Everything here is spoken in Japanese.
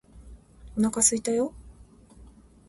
お腹すいたよ！！！！！